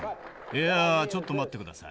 「いやちょっと待って下さい。